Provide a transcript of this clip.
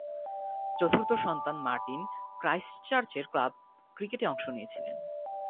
চতুর্থ সন্তান মার্টিন ক্রাইস্টচার্চের ক্লাব ক্রিকেটে অংশ নিয়েছিলেন।